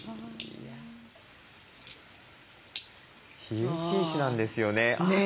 火打ち石なんですよね。